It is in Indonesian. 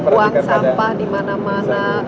buang sampah dimana mana